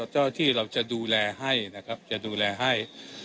เจ้าที่เราจะดูแลให้นะครับจะดูแลให้